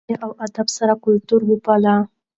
په مینه او ادب سره خپل کلتور وپالئ.